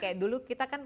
kayak dulu kita kan